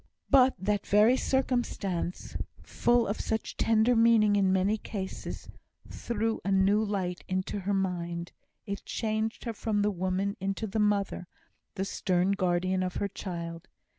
But that very circumstance, full of such tender meaning in many cases, threw a new light into her mind. It changed her from the woman into the mother the stern guardian of her child.